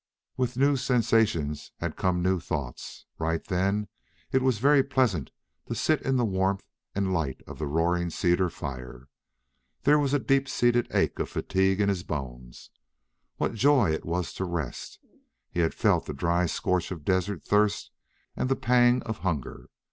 With new sensations had come new thoughts. Right then it was very pleasant to sit in the warmth and light of the roaring cedar fire. There was a deep seated ache of fatigue in his bones. What joy it was to rest! He had felt the dry scorch of desert thirst and the pang of hunger.